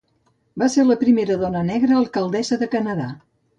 Va ser la primera dona negra alcaldessa de Canadà.